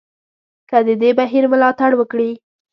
که د دې بهیر ملاتړ وکړي.